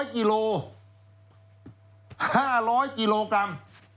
๕๐๐กิโลกรัม